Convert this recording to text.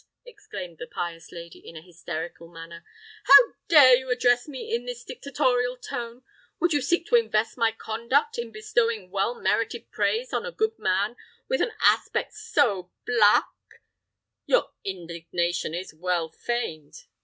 exclaimed the pious lady, in a hysterical manner; "how dare you address me in this dictatorial tone? Would you seek to invest my conduct in bestowing well merited praise on a good man, with an aspect so black——" "Your indignation is well feigned!"